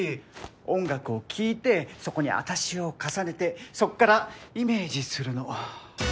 音楽を聴いてそこにあたしを重ねてそこからイメージするの。